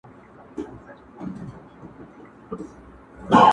چي آواز به یې خپل قام لره ناورین و.